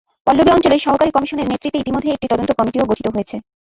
পল্লবী অঞ্চলের সহকারী কমিশনারের নেতৃত্বে ইতিমধ্যে একটি তদন্ত কমিটিও গঠিত হয়েছে।